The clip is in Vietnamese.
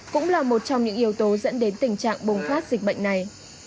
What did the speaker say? cũng là một trong những yếu tố dẫn đến tình trạng bùng phát dịch bệnh này